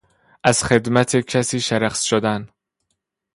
از خدمت کسی شرخص شدن